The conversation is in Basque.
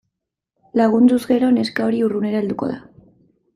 Lagunduz gero neska hori urrunera helduko da.